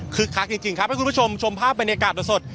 คักจริงครับให้คุณผู้ชมชมภาพบรรยากาศสด